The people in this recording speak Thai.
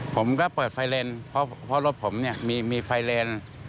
ผมก็เปิดไฟเลนส์เพราะรถผมมีไฟเลนส์